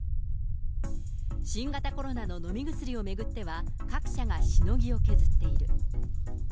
新型コロナの飲み薬を巡っては、各社がしのぎを削っている。